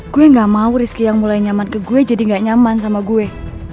gue gak mau rizky yang mulai nyaman ke gue jadi gak nyaman sama gue